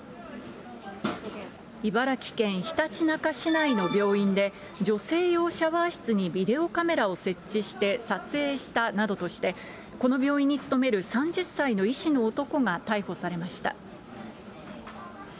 茨城県ひたちなか市内の病院で、女性用シャワー室にビデオカメラを設置して撮影したなどとして、この病院に勤める３０歳の医師の男が逮捕されました。